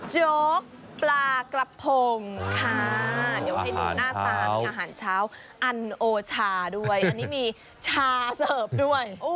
โจ๊กปลากระพงค่ะเดี๋ยวให้ดูหน้าตามีอาหารเช้าอันโอชาด้วยอันนี้มีชาเสิร์ฟด้วย